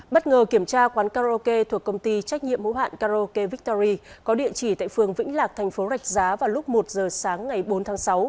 bất ngờ kiểm tra quán karaoke thuộc công ty trách nhiệm hữu hạn karaoke victory có địa chỉ tại phường vĩnh lạc thành phố rạch giá vào lúc một giờ sáng ngày bốn tháng sáu